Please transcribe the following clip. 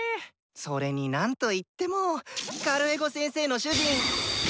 それに何と言ってもカルエゴ先生の主人。